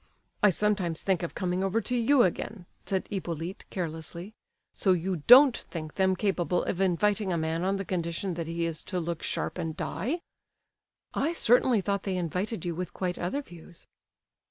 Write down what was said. "I sometimes think of coming over to you again," said Hippolyte, carelessly. "So you don't think them capable of inviting a man on the condition that he is to look sharp and die?" "I certainly thought they invited you with quite other views."